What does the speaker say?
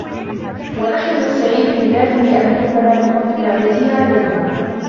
وَنَحْنُ نَسْتَعِيذُ بِاَللَّهِ مِنْ أَنْ نُغْبَنَ بِفَضْلِ نِعْمَتِهِ عَلَيْنَا